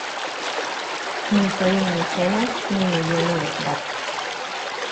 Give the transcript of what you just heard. Ni soy un mecenas ni me lleno de plata".